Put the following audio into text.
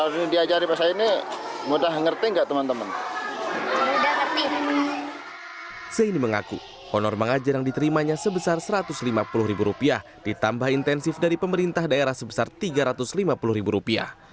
zaini mengaku honor mengajar yang diterimanya sebesar satu ratus lima puluh ribu rupiah ditambah intensif dari pemerintah daerah sebesar tiga ratus lima puluh ribu rupiah